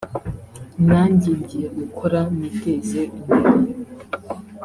nanjye ngiye gukora niteze imbere